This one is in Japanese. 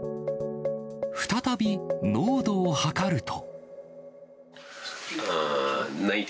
再び濃度を測ると。